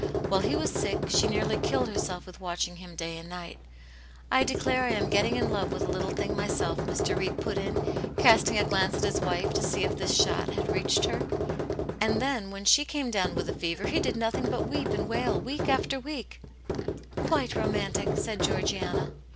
While he was sick she nearly killed herself with watching him day and night." *' I declare I am getting in lov^m\.VvV\\^\\\.'^^*^\SN% 1 64 Aunt Janets Hero. myself/' Mr. Reed put in, casting a glance at his wife to see if this shot had reached hen " And then when she came down with the fever, he did nothing but weep and wail week after week/* " Quite romantic !" said Georgiana.